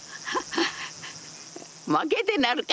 負けてなるか！